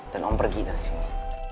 dan kamu pergi dari sini